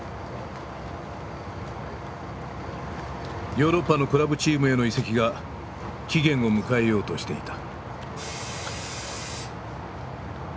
ヨーロッパのクラブチームへの移籍が期限を迎えようとしていた。